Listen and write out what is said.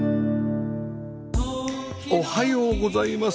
おはようございます。